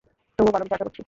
তবুও ভালো কিছুর আশা করছি।